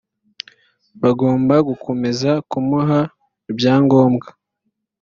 bagomba gukomeza kumuha ibya ngombwa